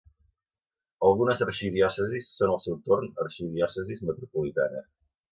Algunes arxidiòcesis són al seu torn arxidiòcesis metropolitanes.